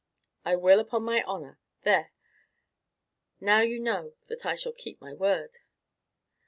I will, upon my honour. There! now you know that I shall keep my word."